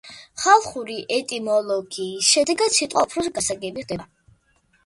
ხალხური ეტიმოლოგიის შედეგად სიტყვა უფრო გასაგები ხდება.